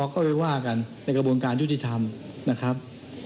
ก็ไปว่ากันในกระบวนการยุติธรรมนะครับ